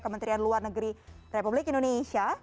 kementerian luar negeri republik indonesia